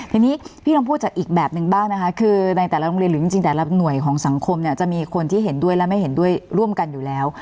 ทีนี้พี่ลองพูดจากอีกแบบนึงบ้างนะคะคือในแต่ละโรงเรียนหรือจริงแต่ละหน่วยของสังคมเนี่ยจะมีคนที่เห็นด้วยและไม่เห็นด้วยร่วมกันอยู่แล้ว